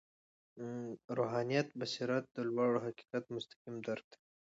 روحاني بصیرت د لوړ حقیقت مستقیم درک دی.